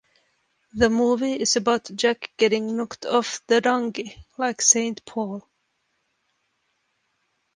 The movie is about Jack getting knocked off the donkey, like Saint Paul.